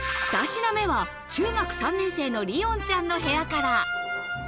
２品目は中学３年生の凛音ちゃんの部屋から。